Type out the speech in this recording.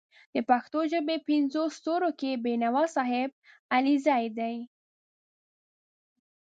د پښتو ژبې په پینځو ستورو کې بېنوا صاحب علیزی دی